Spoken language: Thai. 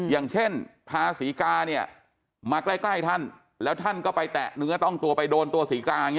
อย่างเช่นพาศรีกาเนี่ยมาใกล้ท่านแล้วท่านก็ไปแตะเนื้อต้องตัวไปโดนตัวศรีกาอย่างนี้